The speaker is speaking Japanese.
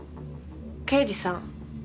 刑事さん